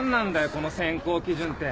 この選考基準って。